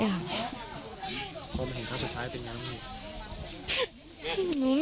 พอมาเห็นครั้งสุดท้ายเป็นยังไง